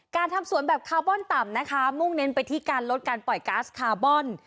การทำสวนแบบคาร์บอนต่ำนะคะมุ่งเน้นไปที่การลดการปล่อยก๊าซคาร์บอน